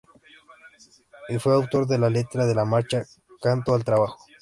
Y fue autor de la letra de la Marcha "Canto al trabajo".